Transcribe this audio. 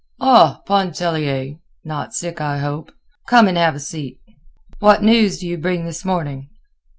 "Ah, Pontellier! Not sick, I hope. Come and have a seat. What news do you bring this morning?"